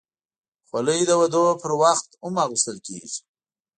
خولۍ د ودونو پر وخت هم اغوستل کېږي.